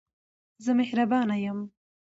زه مهربانه یم.